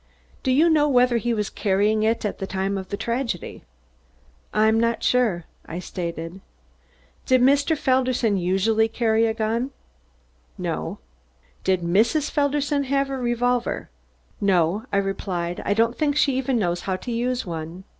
"Do you know whether he was carrying it at the time of the tragedy?" "I'm not sure," I stated. "Did Mr. Felderson usually carry a gun?" "No." "Did Mrs. Felderson have a revolver?" "No," I replied, "I don't think she even knows how to use one."